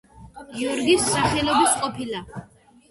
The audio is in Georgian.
გიორგის სახელობის ყოფილა.